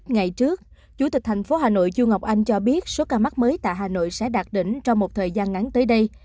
ngày trước chủ tịch thành phố hà nội du ngọc anh cho biết số ca mắc mới tại hà nội sẽ đạt đỉnh trong một thời gian ngắn tới đây